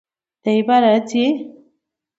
دی باره ځي!